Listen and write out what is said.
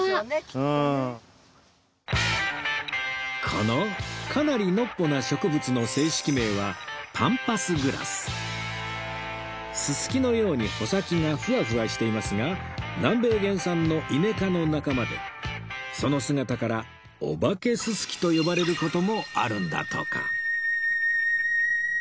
このかなりのっぽな植物の正式名はススキのように穂先がフワフワしていますが南米原産のイネ科の仲間でその姿からお化けススキと呼ばれる事もあるんだとか